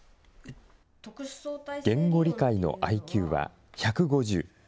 言語理解のＩＱは１５０。